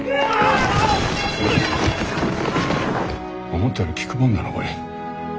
思ったより効くもんだなこれ。